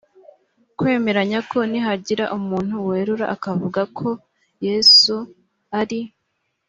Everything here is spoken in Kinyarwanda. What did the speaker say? kwemeranya ko nihagira umuntu werura akavuga ko yesu ari